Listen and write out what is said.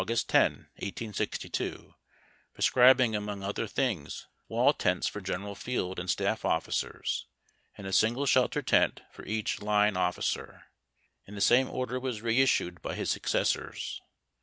10, 1862) prescribing among other things wall tents for general field and staff officers, and a single shelter tent for each line offi cer ; and the same order was reissued by his successors.